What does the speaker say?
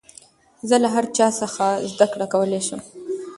زه له هر چا څخه زدکړه کولاى سم.